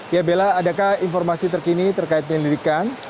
ya bella adakah informasi terkini terkait penyelidikan